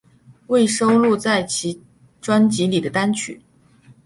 未收录在其专辑里的单曲